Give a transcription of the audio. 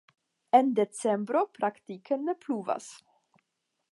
En decembro praktike ne pluvas.